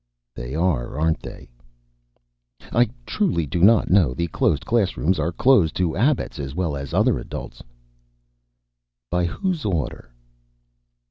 "They are, aren't they?" "I truly do not know. The closed classrooms are closed to abbots as well as other adults." "By whose order?"